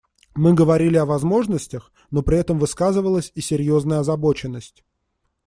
Мы говорили о возможностях, но при этом высказывалась и серьезная озабоченность.